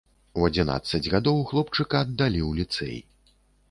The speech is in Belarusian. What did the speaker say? У адзінаццаць гадоў хлопчыка аддалі ў ліцэй.